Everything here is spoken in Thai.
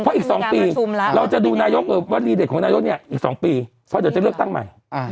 เพราะอีก๒ปีเราจะดูนายกว่ารีเด็ดของนายกเนี่ยอีก๒ปีเพราะเดี๋ยวจะเลือกตั้งใหม่